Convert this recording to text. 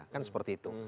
kan seperti itu